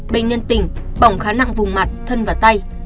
bệnh nhân tỉnh bỏng khá nặng vùng mặt thân và tay